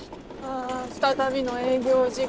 あ再びの営業地獄。